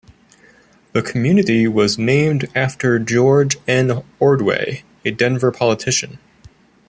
The community was named after George N. Ordway, a Denver politician.